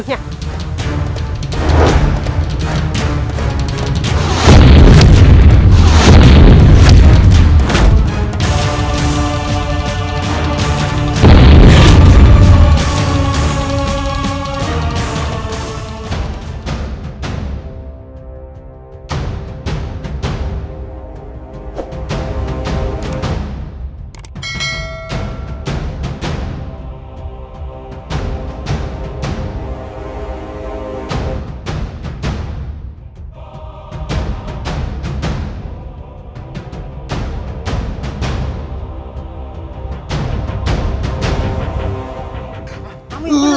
dasar berampuk berampuk kampung